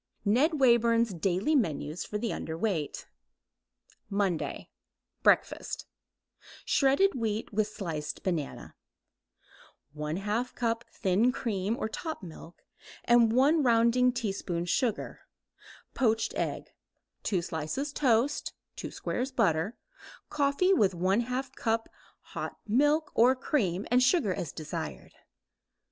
NED WAYBURN'S DAILY MENUS FOR THE UNDERWEIGHT MONDAY BREAKFAST Shredded wheat with sliced banana, 1/2 cup thin cream or top milk and 1 rounding teaspoon sugar; poached egg; 2 slices toast, 2 squares butter; coffee with 1/2 cup hot milk or cream and sugar as desired.